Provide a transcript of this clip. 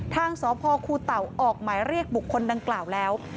ทางสพคูเต่าออกหมายเรียกบุคคลดังกล่าวแล้ว